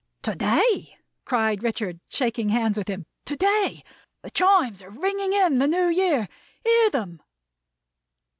"To day!" cried Richard, shaking hands with him. "To day. The Chimes are ringing in the New Year. Hear them!"